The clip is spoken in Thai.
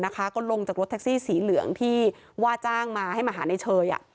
ก็ลงจากรถแท็กซี่สีเหลืองที่ว่าจ้างมาให้มาหาในเชย